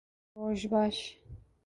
- Roj baş.